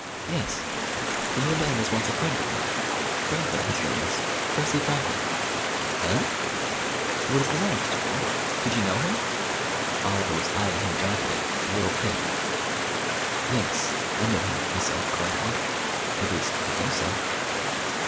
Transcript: "Yes the new man was once a friend of mine Franklin, his name is Percy Franklin." "Eh?" "What is the matter, Mr. Brand? Did you know him?" Oliver was eyeing him darkly, a little pale. "Yes; I knew him," he said quietly. "At least, I think so."